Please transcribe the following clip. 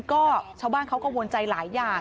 ก็ชาวบ้านเขากังวลใจหลายอย่าง